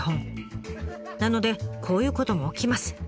なのでこういうことも起きます。